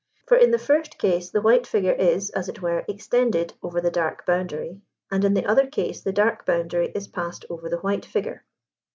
For in the first case the white figure is, as it were, extended over the dark boundary, and in the other case the dark boundary is passed over the white figure.